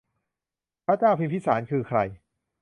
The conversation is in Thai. พระเจ้าพิมพิสาร คือใคร